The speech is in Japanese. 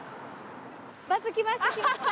バス来ました来ました。